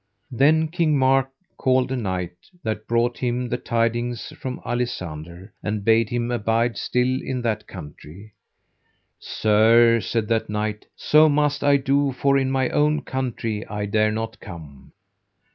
Then King Mark called a knight that brought him the tidings from Alisander, and bade him abide still in that country. Sir, said that knight, so must I do, for in my own country I dare not come.